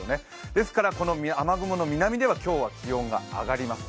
ですから雨雲の南では今日は気温が上がります